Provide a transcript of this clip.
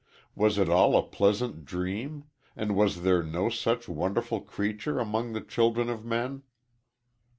Was it all a pleasant dream, and was there no such wonderful creature among the children of men?